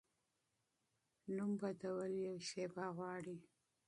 نوم بدول یوه شیبه غواړي.